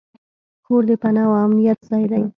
کور د پناه او امنیت ځای دی.